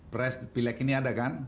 pilih pilih yang ini ada kan